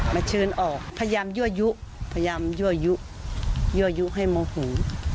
มันเชื้นออกพยายามเยื่อยุพยายามเยื่อยุเยื่อยุให้โมหู